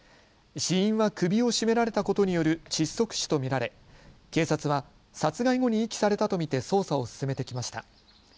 死因は首を絞められたことによる窒息死と見られ警察は殺害後に遺棄されたと見て捜査を進めてきました。